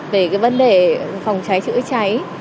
về cái vấn đề phòng cháy chữa cháy